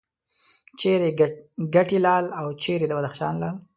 چیرې کټې لال او چیرې د بدخشان لعل.